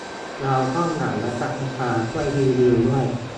เราก็หวังรัฐสภาช่วยรีวิวด้วย